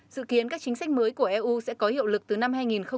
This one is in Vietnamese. dự kiến các chính sách mới của eu sẽ có hiệu lực từ năm hai nghìn hai mươi